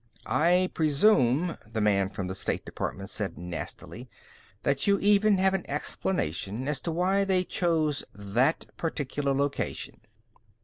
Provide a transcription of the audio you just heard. "I presume," the man from the state department said nastily, "that you even have an explanation as to why they chose that particular location."